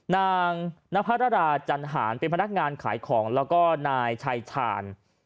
นางนพรราจันหารเป็นพนักงานขายของแล้วก็นายชายชาญ